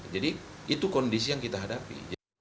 jadi itu kondisi yang kita hadapi